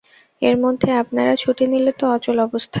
এর মধ্যে আপনারা ছুটি নিলে তো অচল অবস্থা।